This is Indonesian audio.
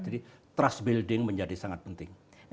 jadi trust building menjadi sangat penting